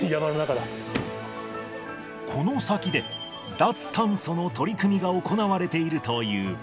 この先で、脱炭素の取り組みが行われているという。